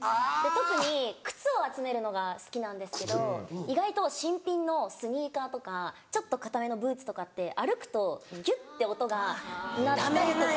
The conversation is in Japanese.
特に靴を集めるのが好きなんですけど意外と新品のスニーカーとかちょっと硬めのブーツとかって歩くとギュって音が鳴ったりとか。